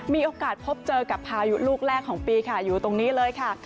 มีโอกาสพบเจอกับพายุลูกแรกของปีค่ะอยู่ตรงนี้เลยค่ะ